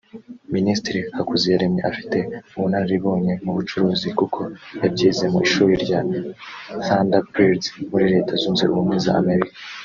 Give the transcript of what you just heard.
Minisitiri Hakuziraremye afite ubunararibonye mu bucuruzi kuko yabyize mu ishuri rya Thunderbird muri Leta Zunze Ubumwe za Amerika